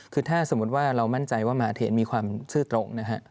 คือถ้าสมมุติว่าเรามั่นใจว่ามหาเทศมีความซื่อตรงนะฮะ